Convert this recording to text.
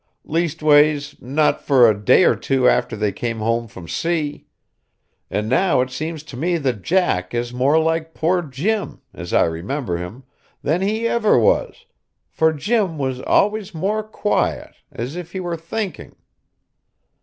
Leastways, not for a day or two after they came home from sea. And now it seems to me that Jack is more like poor Jim, as I remember him, than he ever was, for Jim was always more quiet, as if he were thinking."